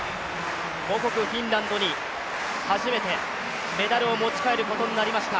母国フィンランドに初めてメダルを持ち帰ることになりました。